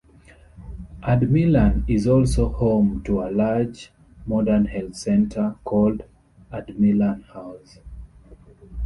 Ardmillan is also home to a large, modern health centre called Ardmillan House.